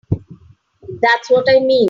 That's what I mean.